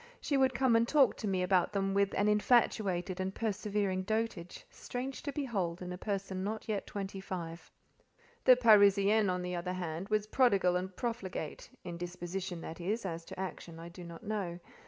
She would come and talk to me about them with an infatuated and persevering dotage, strange to behold in a person not yet twenty five. The Parisienne, on the other hand, was prodigal and profligate (in disposition, that is: as to action, I do not know).